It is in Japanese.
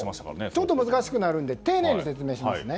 ちょっと難しいので丁寧に説明しますね。